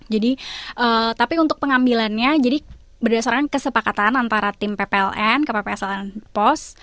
jadi tapi untuk pengambilannya jadi berdasarkan kesepakatan antara tim ppln ke pps ln pos